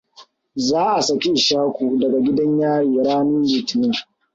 Za a saki Ishaku daga gidan yari ranar Litinin.